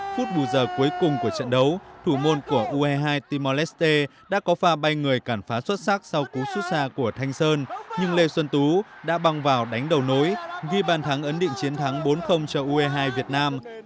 phút bù giờ cuối cùng của trận đấu thủ môn của ue hai timor leste đã có pha bay người cản phá xuất sắc sau cú xuất xa của thanh sơn nhưng lê xuân tú đã băng vào đánh đầu nối ghi bàn thắng ấn định chiến thắng bốn cho ue hai việt nam